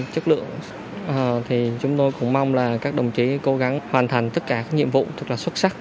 chất lượng thì chúng tôi cũng mong là các đồng chí cố gắng hoàn thành tất cả các nhiệm vụ rất là xuất sắc